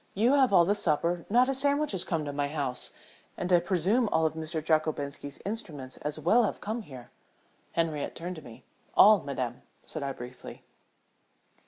You have all the supper not a sandwich has come to my house and I presume all of Mr. Jockobinski's instruments as well have come here." Henriette turned to me. "All, madame," said I, briefly.